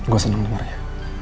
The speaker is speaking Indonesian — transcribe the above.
gue seneng dengarnya